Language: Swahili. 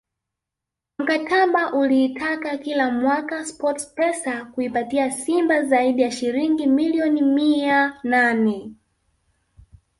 Mkataba uliitaka kila mwaka Sports pesa kuipatia Simba zaidi ya shilingi milioni mia nane